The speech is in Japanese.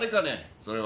それは。